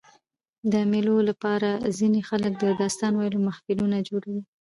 د مېلو له پاره ځيني خلک د داستان ویلو محفلونه جوړوي.